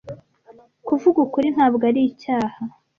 Kuvuga ukuri ntabwo ari icyaha.